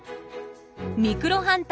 ミクロハンター